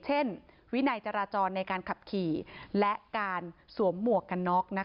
วินัยจราจรในการขับขี่และการสวมหมวกกันน็อก